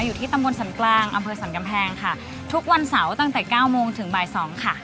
อยู่ที่ตำบลสันกลางอำเภอสรรกำแพงค่ะทุกวันเสาร์ตั้งแต่เก้าโมงถึงบ่ายสองค่ะ